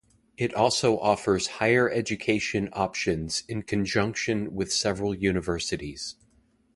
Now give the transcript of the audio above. It also offers Higher Education options in conjunction with several universities.